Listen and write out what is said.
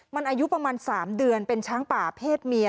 มันอายุประมาณ๓เดือนเป็นช้างป่าเพศเมีย